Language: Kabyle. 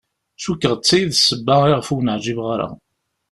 Cukkeɣ d ta i d ssebba iɣef ur wen-εǧibeɣ ara.